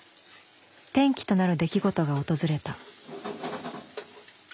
転機となる出来事が訪れた。